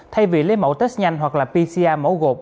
thay vì lấy mẫu test nhanh hoặc là pcr mẫu gột